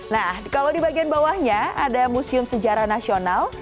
nah kalau di bagian bawahnya ada museum sejarah nasional